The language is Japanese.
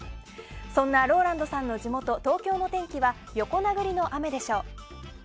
そんなＲＯＬＡＮＤさんの地元東京の天気は横殴りの雨でしょう。